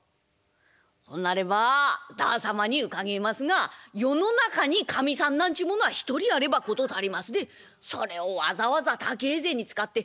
「ほなればあだあ様にうかげえますが世の中にかみさんなんちゅうものは１人あれば事足りますでそれをわざわざ高え銭使って妾囲う。